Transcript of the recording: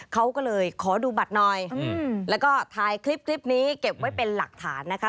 เขาก็เลยขอดูบัตรหน่อยแล้วก็ถ่ายคลิปนี้เก็บไว้เป็นหลักฐานนะคะ